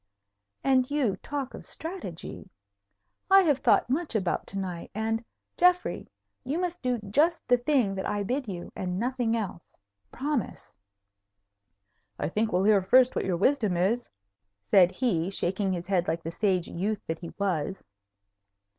And you talk of strategy! I have thought much about to night, and, Geoffrey, you must do just the thing that I bid you, and nothing else. Promise." "I think we'll hear first what your wisdom is," said he, shaking his head like the sage youth that he was.